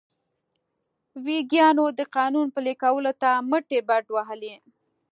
ویګیانو د قانون پلي کولو ته مټې بډ وهلې.